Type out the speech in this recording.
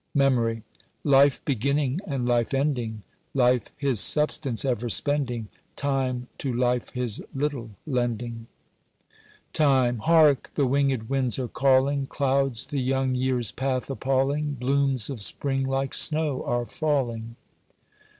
MEMORY. Life beginning, and life ending; Life his substance ever spending; Time to life his little lending. TIME. Hark! the wingèd winds are calling; Clouds the young year's path appalling; Blooms of spring like snow are falling.